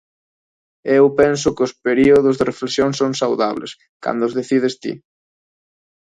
E eu penso que os períodos de reflexión son saudables, cando os decides ti.